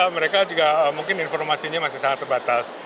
mereka juga mungkin informasinya masih sangat terbatas